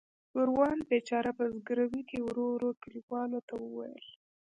ګوروان بیچاره په زګیروي کې ورو ورو کلیوالو ته وویل.